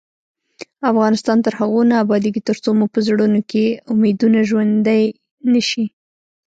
افغانستان تر هغو نه ابادیږي، ترڅو مو په زړونو کې امیدونه ژوندۍ نشي.